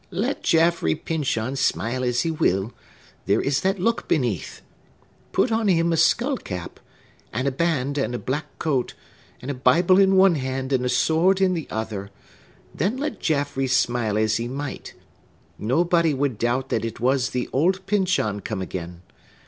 "Let Jaffrey Pyncheon smile as he will, there is that look beneath! Put on him a skull cap, and a band, and a black cloak, and a Bible in one hand and a sword in the other,—then let Jaffrey smile as he might,—nobody would doubt that it was the old Pyncheon come again.